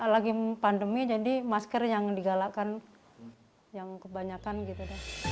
lagi pandemi jadi masker yang digalakkan yang kebanyakan gitu